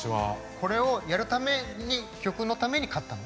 これをやるために曲のために買ったの？